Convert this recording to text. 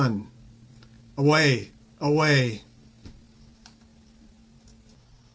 AWAY! AWAY!